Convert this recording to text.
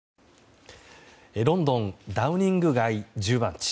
ロンドンダウニング街１０番地